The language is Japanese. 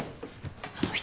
あの人？